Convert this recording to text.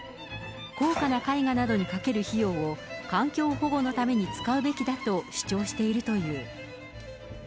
高価な絵画などにかける費用を環境保護のために使うべきだと主張しているという。